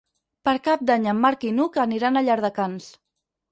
Per Cap d'Any en Marc i n'Hug aniran a Llardecans.